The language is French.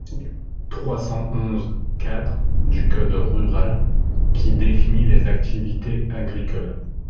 trois cent onze-quatre du code rural, qui définit les activités agricoles.